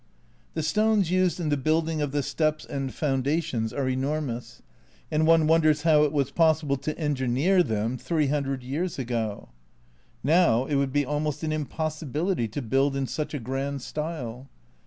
The stones used in the building of the steps and founda tions are enormous, and one wonders how it was possible to engineer them 300 years ago. Now it would be almost an impossibility to build in such a grand style.